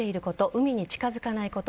海に近づかないこと